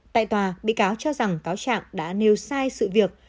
tại tòa bị cáo cho rằng cáo trạng đã nêu sai sự việc